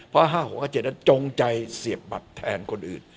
เพราะว่า๕๖๕๗จะจงใจเสียบัตรแทนคนอื่น